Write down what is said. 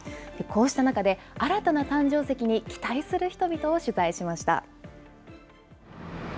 こうした中で、新たな誕生石に期待する人々を取材しました。